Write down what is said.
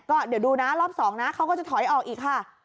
ก็เดี๋ยวดูนะรอบ๒นะเขาก็จะถอยออกอีกค่ะ